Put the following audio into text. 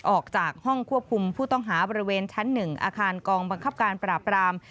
ออกจากห้องควบคุมผู้ต้องหาบริเวณชั้น๑อาคารกองบังคับการปราบราม